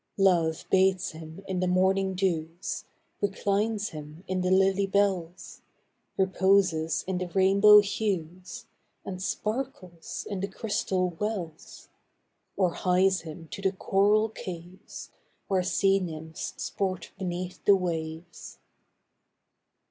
Love bathes him in the morning dews, Reclines him in the lily bells, Reposes in the rainbow hues, And sparkles in the crystal wells, Or hies him to the coral caves, Where sea nymphs sport beneath the waves.